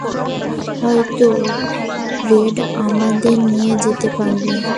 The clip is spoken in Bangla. হয়তো রেড আমাদের নিয়ে যেতে পারবে!